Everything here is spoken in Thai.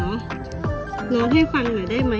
ร้องให้ฟังหน่อยได้ไหม